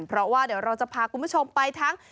เพราะว่าเดี๋ยวเราจะพาคุณผู้ชมไปทั้ง